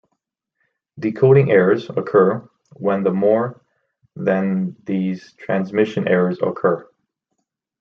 Decoding errors occur when the more than these transmission errors occur.